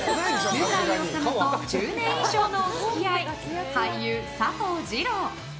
向井理と１０年以上のお付き合い俳優・佐藤二朗！